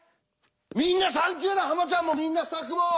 みんなサンキューだハマちゃんもみんなスタッフも！